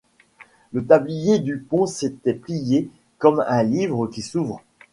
Le tablier du pont s’était plié comme un livre qui s’ouvre.